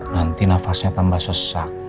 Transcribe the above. nanti nafasnya tambah sesak